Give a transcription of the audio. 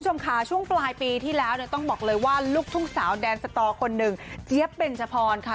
คุณผู้ชมค่ะช่วงปลายปีที่แล้วเนี่ยต้องบอกเลยว่าลูกทุ่งสาวแดนสตอคนหนึ่งเจี๊ยบเบนจพรค่ะ